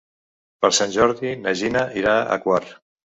Per Sant Jordi na Gina irà a Quart.